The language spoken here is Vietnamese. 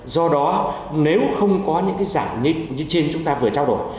do đó nếu không có những cái giảm nghịch như trên chúng ta vừa trao đổi